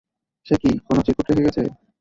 সে কি কোনো চিরকুট রেখে গেছে?